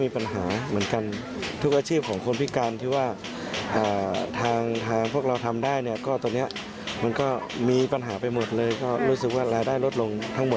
พ่ออยู่ได้ไหมทุกวัน